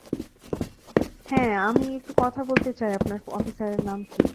হ্যাঁঁ আমি একটু কথা বলতে চাই আপনার অফিসারের নাম কী?